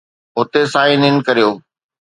هتي sign in ڪريو